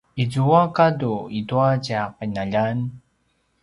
izua gadu itua tja qinaljan?